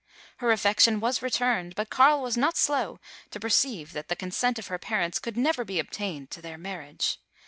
Her affection was returned, but Carl was not slow to perceive* that the consent of her parents could never be obtained to their marriage.